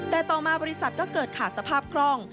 แต่ต่อมาบริษัทก็เกิดขาดสภาพคล่อง